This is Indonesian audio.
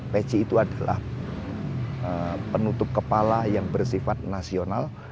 peci itu adalah penutup kepala yang bersifat nasional